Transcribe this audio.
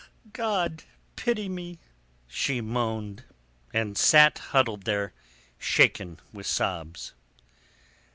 "God pity me!" she moaned, and sat huddled there, shaken with sobs.